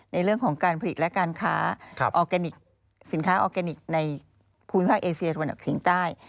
ในเรื่องของการผลิตและการขาสินค้าออร์แกนิคในภูมิภาคเอเซียส่วนออกถึงใต้